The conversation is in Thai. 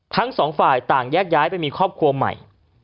ทั้งสองฝ่ายต่างแยกย้ายไปมีครอบครัวใหม่